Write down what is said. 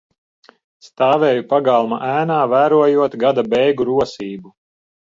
Stāvēju pagalma ēnā, vērojot gada beigu rosību.